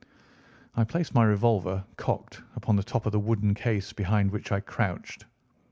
I placed my revolver, cocked, upon the top of the wooden case behind which I crouched.